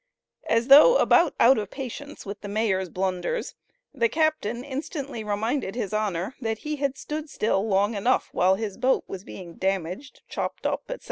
As though about out of patience with the mayor's blunders, the captain instantly reminded his Honor that he had "stood still long enough" while his boat was being "damaged, chopped up," &c.